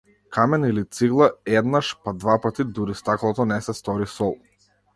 Камен или цигла, еднаш, па двапати, дури стаклото не се стори сол.